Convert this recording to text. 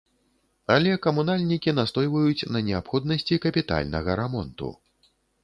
Але камунальнікі настойваюць на неабходнасці капітальнага рамонту.